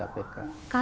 kasus harun masiku pak